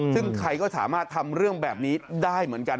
ซึ่งใครก็สามารถทำเรื่องแบบนี้ได้เหมือนกัน